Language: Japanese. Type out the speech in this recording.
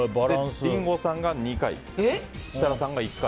リンゴさんが２回設楽さんが１回。